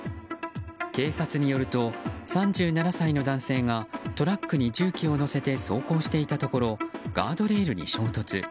警察によると３７歳の男性がトラックに重機を載せて走行していたところガードレールに衝突。